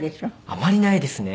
あまりないですね。